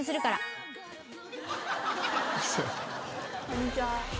こんにちは。